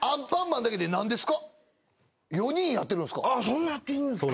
そんなやってるんですか？